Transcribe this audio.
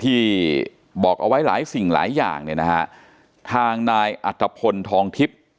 ที่บอกเอาไว้หลายสิ่งหลายอย่างเนี่ยนะฮะทางนายอัตภพลทองทิพย์